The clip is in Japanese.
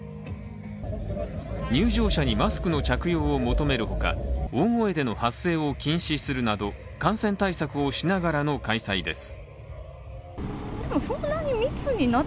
入場者にマスクの着用を求めるほか、大声での発声を禁止するなど感染対策をしながらの開催です。